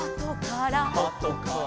「あとから」